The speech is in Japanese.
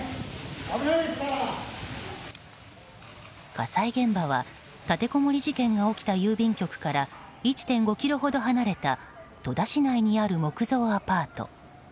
火災現場は立てこもり事件が起きた郵便局から１．５ｋｍほど離れた戸田市内にある木造アパート。